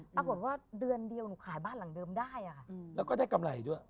ปรากฏว่าเดือนเดียวหนูขายบ้านหลังเดิมได้ค่ะแล้วก็ได้กำไรด้วย